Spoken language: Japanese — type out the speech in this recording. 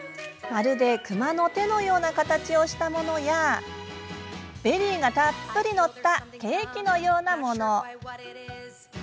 まるで熊の手のような形をしたものやベリーがたっぷり載ったケーキのようなもの。